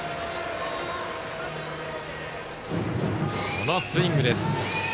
このスイングです。